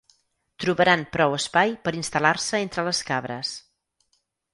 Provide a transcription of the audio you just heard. Trobaran prou espai per instal·lar-se entre les cabres.